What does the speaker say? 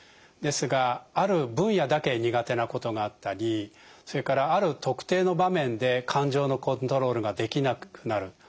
ですがある分野だけ苦手なことがあったりそれからある特定の場面で感情のコントロールができなくなる。